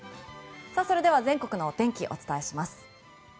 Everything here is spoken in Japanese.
それでは全国のお天気をお伝えします。